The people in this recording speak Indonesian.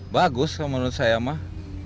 bagus menurut saya mah